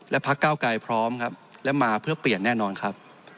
พักเก้าไกลพร้อมครับและมาเพื่อเปลี่ยนแน่นอนครับ